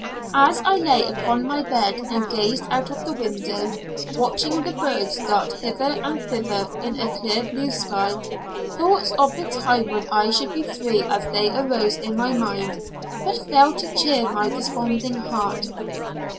As I lay upon my bed and gazed out of the window, watching the birds dart hither and thither in a clear blue sky, thoughts of the time when I should be free as they arose in my mind, but failed to cheer my desponding heart.